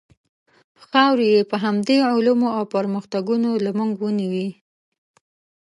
خاورې یې په همدې علومو او پرمختګونو له موږ ونیوې.